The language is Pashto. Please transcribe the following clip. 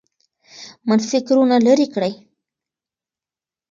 منفي فکرونه لیرې کړئ.